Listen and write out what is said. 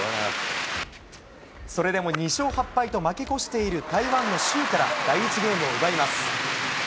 それでも２勝８敗と負け越している台湾の周から第１ゲームを奪います。